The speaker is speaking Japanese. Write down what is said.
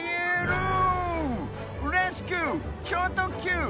レスキュー！ちょうとっきゅう！